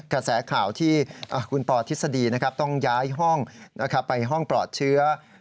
กระแสข่าวที่คุณปอทฤษฎีต้องย้ายห้องไปห้องปลอดเชื้อ